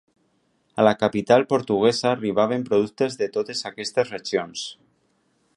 A la capital portuguesa arribaven productes de totes aquestes regions.